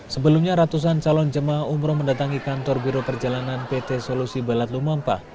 sebelumnya ratusan calon jemaah umroh mendatangi kantor biro perjalanan pt solusi balat lumampah